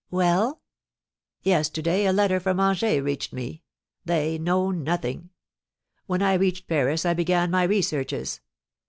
"Well?" "Yesterday a letter from Angers reached me, they know nothing. When I reached Paris I began my researches.